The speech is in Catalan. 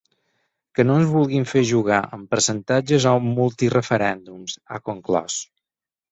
Que no ens vulguin fer jugar amb percentatges o multireferèndums, ha conclòs.